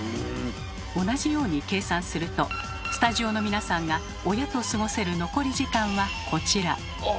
同じように計算するとスタジオの皆さんが親と過ごせる残り時間はこちら。